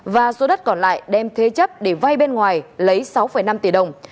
và số đất còn lại đem thế chấp để vay bên ngoài lấy sáu năm tỷ đồng